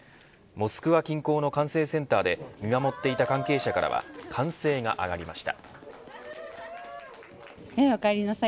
モスクワ近郊の管制センターで見守っていた関係者からは歓声が上がりました。